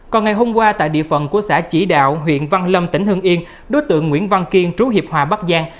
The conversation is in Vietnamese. còn ngày hôm qua tại địa phận của xã chỉ đạo huyện văn lâm tỉnh hưng yên đối tượng nguyễn văn kiên trú hiệp hòa bắc giang